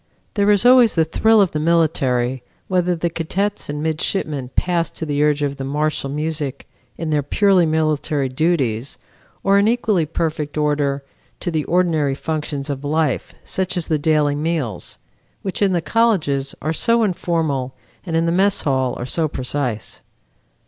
There is always the thrill of the military whether the cadets and midshipmen pass to the urge of martial music in their purely military duties, or in equally perfect order to the ordinary functions of life, such as the daily meals, which in the colleges are so informal and in the mess hall are so precise.